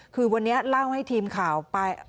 คือวันนี้เล่าให้ทีมข่าวไป